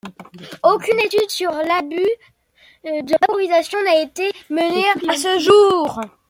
Aucune étude sur l'abus de vaporisation n'a été menée à ce jour.